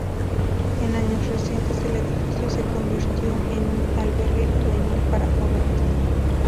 En años recientes el edificio se convirtió en un Albergue juvenil para jóvenes.